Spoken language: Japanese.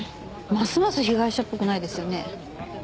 ますます被害者っぽくないですよね。